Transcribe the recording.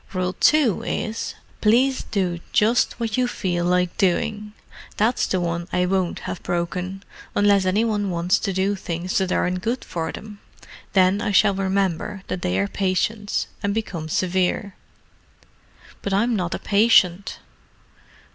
Rule 2 is, 'Please do just what you feel like doing.' That's the one I won't have broken—unless any one wants to do things that aren't good for them. Then I shall remember that they are patients, and become severe." "But I'm not a patient."